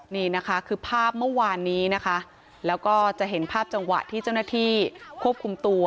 นี่นะคะคือภาพเมื่อวานนี้นะคะแล้วก็จะเห็นภาพจังหวะที่เจ้าหน้าที่ควบคุมตัว